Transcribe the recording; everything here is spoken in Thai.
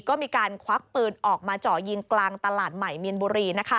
ก็มีการควักปืนออกมาเจาะยิงกลางตลาดใหม่มีนบุรี